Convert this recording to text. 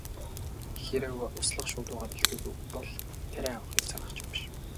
Хэрэв услах шуудуугаа бэлтгээгүй бол тариа авахыг санах ч юм биш.